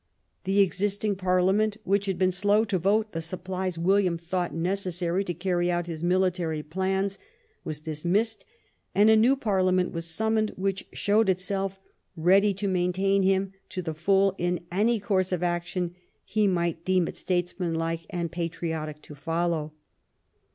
The existing Parlia ment, which had been slow to vote the supplies William thought necessary to carry out his military plans, was dismissed and a new Parliament was summoned which showed itself ready to maintain him to the full in any course of action he might deem it statesman like and patriotic to follow.